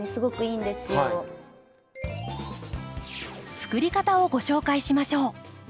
作り方をご紹介しましょう。